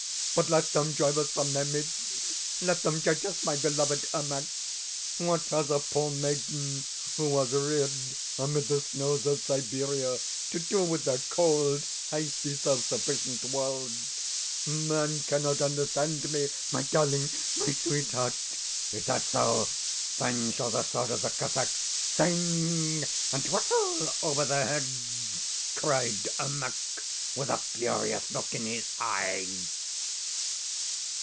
But LET them drive us from their midst let them judge us, my beloved Ermak! What has a poor maiden who was reared amid the snows of Siberia to do with their cold, icy, self sufficient world? Men cannot understand me, my darling, my sweetheart.' "'Is that so? Then shall the sword of the Cossacks sing and whistle over their heads!' cried Ermak with a furious look in his eyes."